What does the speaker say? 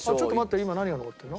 今何が残ってるの？